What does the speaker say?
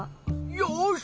よし！